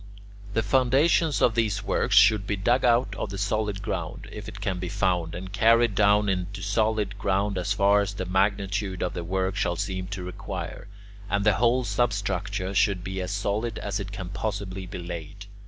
The foundations of these works should be dug out of the solid ground, if it can be found, and carried down into solid ground as far as the magnitude of the work shall seem to require, and the whole substructure should be as solid as it can possibly be laid.